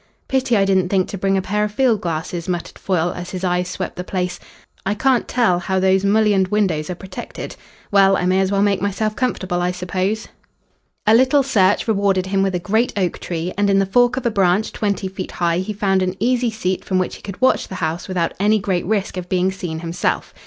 "Pity I didn't think to bring a pair of field glasses," muttered Foyle, as his eyes swept the place. "I can't tell how those mullioned windows are protected. Well, I may as well make myself comfortable, I suppose." A little search rewarded him with a great oak tree, and in the fork of a branch twenty feet high he found an easy seat from which he could watch the house without any great risk of being seen himself.